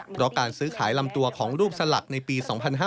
เพราะการซื้อขายลำตัวของรูปสลักในปี๒๕๕๙